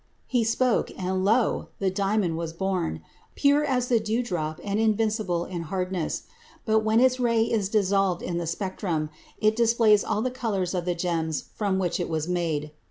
He spoke: and lo! the diamond was born, pure as the dewdrop and invincible in hardness; but when its ray is resolved in the spectrum, it displays all the colors of the gems from which it was made.